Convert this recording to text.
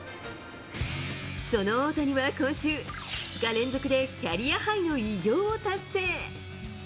その大谷は、今週、２日連続でキャリアハイの偉業を達成。